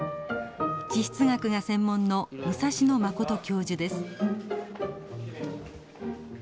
地質学が専門の武蔵野實教授です。